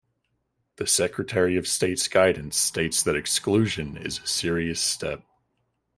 The Secretary of State's guidance states that exclusion is a serious step.